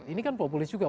ini kan populis juga